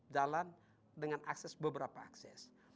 jalan dengan beberapa access